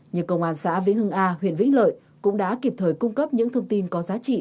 như công an xã vĩnh hưng a huyện vĩnh lợi cũng đã kịp thời cung cấp những thông tin có giá trị